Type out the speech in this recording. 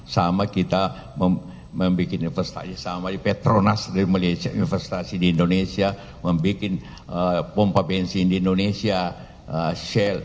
sama kita membuat investasi sama petronas dari investasi di indonesia membuat pompa bensin di indonesia share